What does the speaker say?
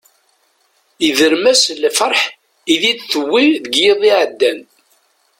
Yedrem-as lferḥ i d-tewwi deg yiḍ iɛeddan.